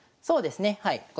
そうですねはい。